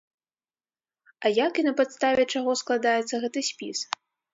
А як і на падставе чаго складаецца гэты спіс?